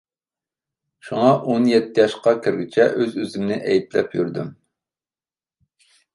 شۇڭا، ئون يەتتە ياشقا كىرگۈچە ئۆز-ئۆزۈمنى ئەيىبلەپ يۈردۈم.